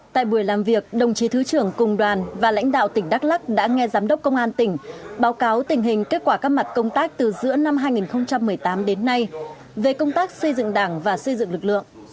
tại buổi làm việc đồng chí thứ trưởng cùng đoàn và lãnh đạo tỉnh đắk lắc đã nghe giám đốc công an tỉnh báo cáo tình hình kết quả các mặt công tác từ giữa năm hai nghìn một mươi tám đến nay về công tác xây dựng đảng và xây dựng lực lượng